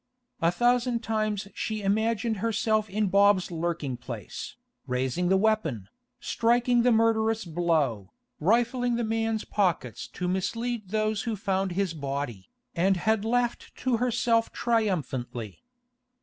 A thousand times she imagined herself in Bob's lurking place, raising the weapon, striking the murderous blow, rifling the man's pockets to mislead those who found his body, and had laughed to herself triumphantly.